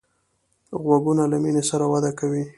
غوږونه له مینې سره وده کوي